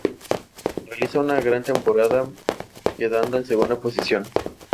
Realiza una gran temporada quedando en segunda posición.